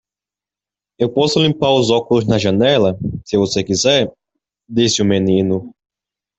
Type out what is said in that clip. "Eu posso limpar os óculos na janela? se você quiser?" disse o menino.